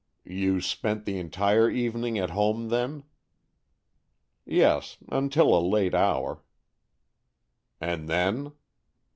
"You spent the entire evening at home, then?" "Yes, until a late hour." "And then?"